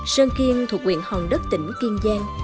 sơn kiên thuộc nguyện hồng đất tỉnh kiên giang